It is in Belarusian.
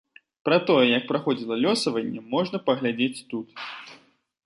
Пра тое, як праходзіла лёсаванне, можна паглядзець тут.